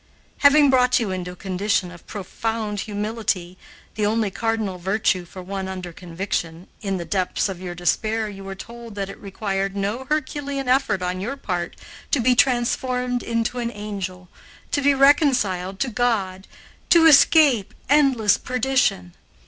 Having brought you into a condition of profound humility, the only cardinal virtue for one under conviction, in the depths of your despair you were told that it required no herculean effort on your part to be transformed into an angel, to be reconciled to God, to escape endless perdition.